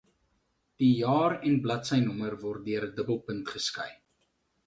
Die jaar en bladsynommer word deur 'n dubbelpunt geskei.